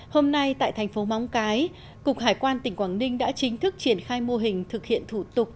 hôm nay tại thành phố móng cái cục hải quan tỉnh quảng ninh đã chính thức triển khai mô hình thực hiện thủ tục